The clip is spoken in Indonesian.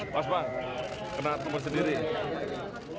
mas bang kena teman sendiri